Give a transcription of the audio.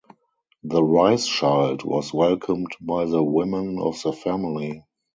The Rice Child was welcomed by the women of the family.